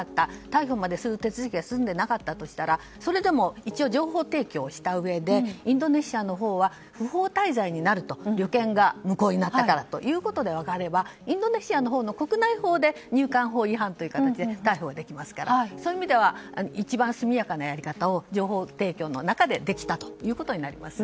逮捕まで手続きが済んでいなかったとしたらそれでも一応情報提供をしたうえでインドネシアのほうは不法滞在になると旅券が無効になったからということであればインドネシアのほうの国内法で入管法違反という形で逮捕できますからそういう意味では一番速やかなやり方を情報提供の中でできたということになります。